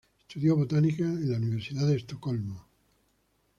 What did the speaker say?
Estudió botánica en la Universidad de Estocolmo.